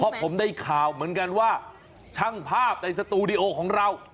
เพราะผมได้ข่าวเหมือนกันว่าช่างภาพในสตูดิโอของเรา